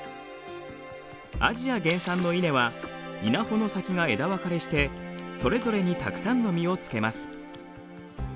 アジア原産の稲は稲穂の先が枝分かれしてそれぞれにたくさんの実をつけます。